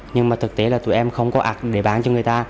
nhưng mà thực tế là tụi em không có ạc để bán cho người ta